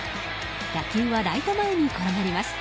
打球はライト前に転がります。